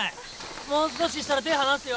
もう少ししたら手ぇ離すよ。